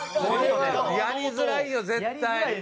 やりづらいよ絶対。